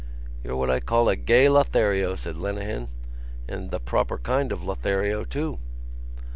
"You're what I call a gay Lothario," said Lenehan. "And the proper kind of a Lothario, too!"